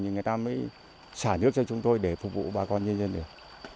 người ta mới xả nước cho chúng tôi để phục vụ bà con nhân dân được